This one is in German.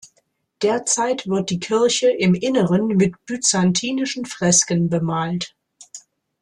Derzeit wird die Kirche im Inneren mit byzantinischen Fresken bemalt.